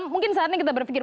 mungkin saat ini kita berpikir